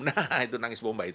nah itu nangis bomba itu